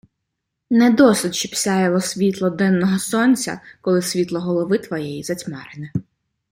Не досить, щоб сяяло світло денного сонця, коли світло голови твоєї затьмарене.